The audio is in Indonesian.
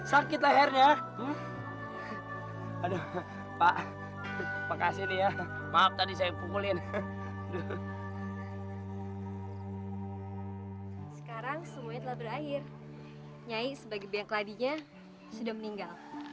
saetah tidak akan pernah berhenti menyisakan perempuan ini